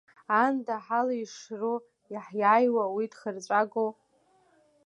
Аанда ҳалеишшру иаҳиааиуа, уи дхырҵәагоу?!